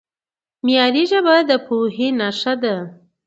معیاري ژبه د پوهې نښه ده.